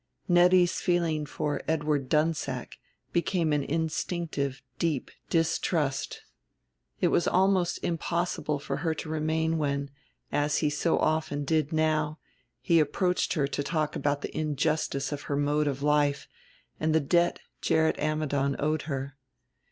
Nettie's feeling for Edward Dunsack became an instinctive deep distrust. It was almost impossible for her to remain when as he so often did now he approached her to talk about the injustice of her mode of life and the debt Gerrit Ammidon owed her.